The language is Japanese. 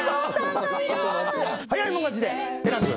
早い者勝ちで選んでください。